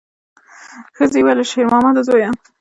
ښځې ورو وویل: شېرمامده زویه!